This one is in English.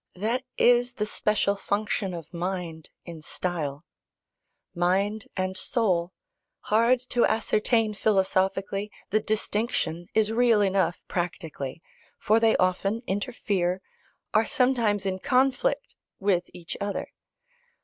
That is the special function of mind, in style. Mind and soul: hard to ascertain philosophically, the distinction is real enough practically, for they often interfere, are sometimes in conflict, with each other.